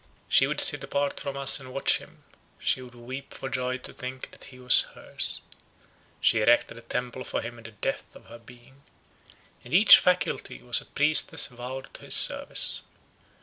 She would sit apart from us and watch him; she would weep for joy to think that he was hers. She erected a temple for him in the depth of her being, and each faculty was a priestess vowed to his service.